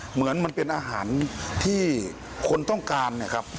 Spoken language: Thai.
เหมือนมันเป็นอาหารที่คนต้องการนะครับ